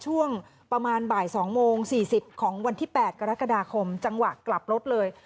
ช่วงประมาณบ่าย๒โมง๔๐ของวันที่๘กรกฎาคมจังหวะกลับรถเลย